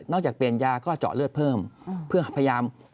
จากเปลี่ยนยาก็เจาะเลือดเพิ่มเพื่อพยายาม